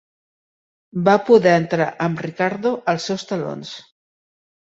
Va poder entrar amb Ricardo als seus talons.